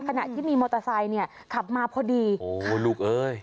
ขณะที่มีมอเตอร์ไซค์เนี่ยขับมาพอดีโอ้ลูกเอ้ย